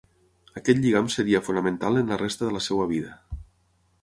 Aquest lligam seria fonamental en la resta de la seua vida.